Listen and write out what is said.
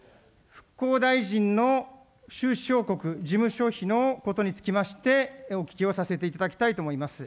復興大臣の収支報告、事務所費のことにつきまして、お聞きをさせていただきたいと思います。